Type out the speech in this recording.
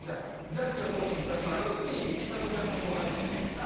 ジャッジをどうするかっていう時にちさ子ちゃんがこう入ってきてさ。